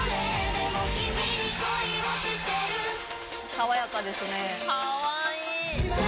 爽やかですね。